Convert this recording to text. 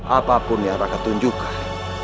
apapun yang raka tunjukkan